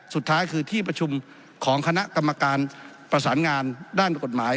สุดท้ายคือที่ประชุมของคณะกรรมการประสานงานด้านกฎหมาย